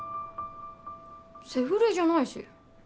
セフレじゃないし。